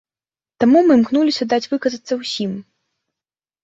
Таму мы імкнуліся даць выказацца ўсім.